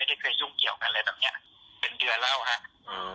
ได้เคยยุ่งเกี่ยวกันอะไรแบบเนี้ยเป็นเดือนแล้วฮะอืม